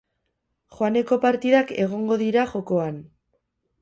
Joaneko partidak egongo dira jokoan.